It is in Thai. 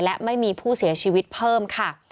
และไม่มีผู้เสียชีวิตเพิ่มค่ะ